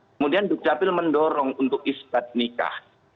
kemudian dukcapil mendorong untuk isbat nikah